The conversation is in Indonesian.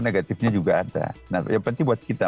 negatifnya juga ada nanti ya penting buat kita